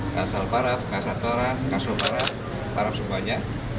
kasal paraf kasatoraf kasoparaf paraf semuanya